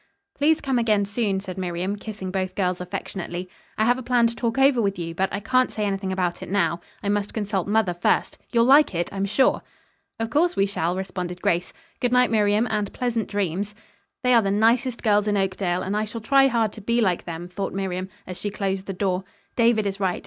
"Please come again soon," said Miriam, kissing both girls affectionately. "I have a plan to talk over with you, but I can't say anything about it now. I must consult mother first. You'll like it, I'm sure." "Of course we shall," responded Grace. "Good night, Miriam, and pleasant dreams." "They are the nicest girls in Oakdale, and I shall try hard to be like them," thought Miriam, as she closed the door. "David is right.